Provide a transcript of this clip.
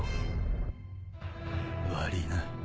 悪ぃな。